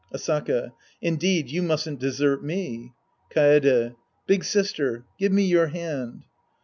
Asaka. Indeed, you mustn't desert me. Kaede. Big sister, give me your hand.